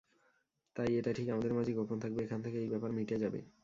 তাই এটা ঠিক আমাদের মাঝেই গোপন থাকবে এখান থেকে এই ব্যাপার মিটে যাবে।